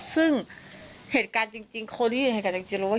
ซึ่งเหตุการณ์จริงคนที่อยู่ในเหตุการณ์จริงเราว่า